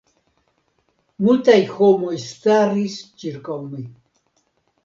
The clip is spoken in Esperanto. Multaj homoj staris ĉirkaŭ mi.